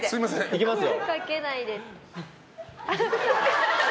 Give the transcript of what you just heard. いきますよ。